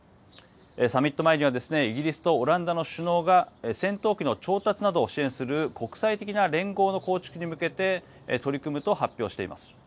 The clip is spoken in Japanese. サミット前にはイギリスとオランダの首脳が戦闘機の調達などを支援する国際的な連合の構築に向けて取り組むと発表しています。